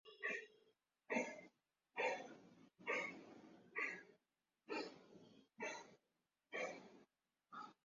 Dalili nyingine ya ugonjwa wa ukurutu ni uzalishaji wa maziwa kupungua kwa ngombe